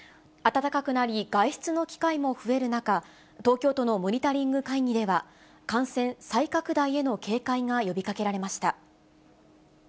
暖かくなり、外出の機会も増える中、東京都のモニタリング会議では、感染再拡大への警戒が呼びかけられました。